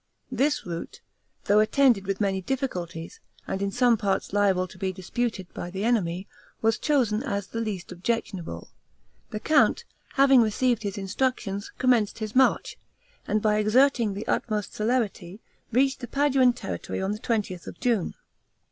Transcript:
This route, though attended with many difficulties, and in some parts liable to be disputed by the enemy, was chosen as the least objectionable. The count having received his instructions, commenced his march, and by exerting the utmost celerity, reached the Paduan territory on the twentieth of June.